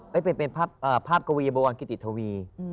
เปลี่ยนเป็นภาพกวีบวรกิติธวี